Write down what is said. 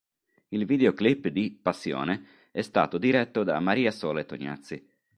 Il videoclip di "Passione" è stato diretto da Maria Sole Tognazzi.